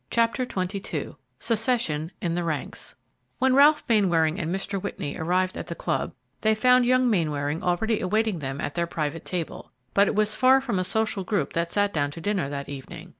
CHAPTER XXII SECESSION IN THE RANKS When Ralph Mainwaring and Mr. Whitney arrived at the club they found young Mainwaring already awaiting them at their private table, but it was far from a social group which sat down to dinner that evening.